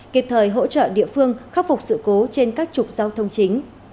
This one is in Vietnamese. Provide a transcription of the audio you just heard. kịp thời hỗ trợ địa phương khắc phục sự cố trên các trục giao thông chính